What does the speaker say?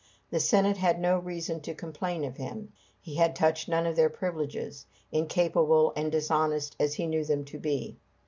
The Senate had no reason to complain of him. He had touched none of their privileges, incapable and dishonest as he knew them to be.